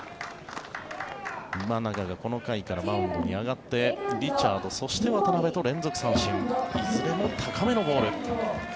今永がこの回からマウンドに上がってリチャードそして渡邉と連続三振いずれも高めのボール。